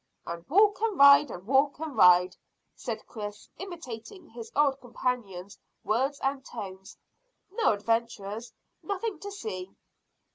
"And walk and ride, walk and ride," said Chris, imitating his old companion's words and tones. "No adventures nothing to see."